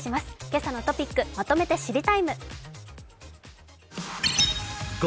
「けさのトピックまとめて知りＴＩＭＥ，」。